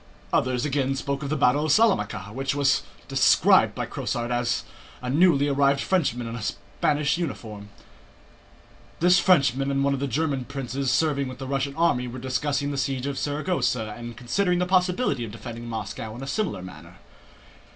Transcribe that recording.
Others again spoke of the battle of Salamanca, which was described by Crosart, a newly arrived Frenchman in a Spanish uniform. (This Frenchman and one of the German princes serving with the Russian army were discussing the siege of Saragossa and considering the possibility of defending Moscow in a similar manner.)